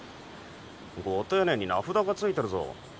ご丁寧に名札が付いてるぞ。